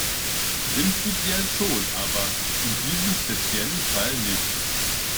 Prinzipiell schon, aber in diesem speziellen Fall nicht.